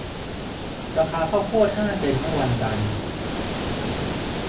ราคาข้าวโพดห้าเซ็นต์เมื่อวันจันทร์